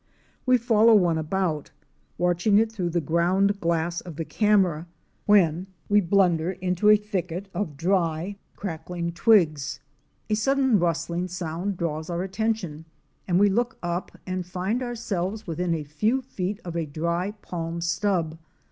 We follow one about, watching it through the ground glass of the camera, when we blunder into a thicket of dry, 66 OUR SEARCH FOR A WILDERNESS. crackling twigs. A sudden rustling sound draws our atten tion, and we look up and find ourselves within a few feet of a dry palm stub.